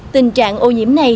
tình trạng ô nhiễm này